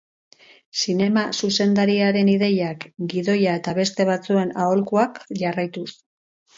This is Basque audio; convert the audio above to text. Zinema zuzendariaren ideiak, gidoia eta beste batzuen aholkuak jarraituz.